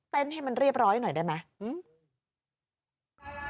ให้มันเรียบร้อยหน่อยได้ไหม